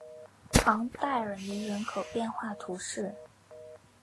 昂代尔尼人口变化图示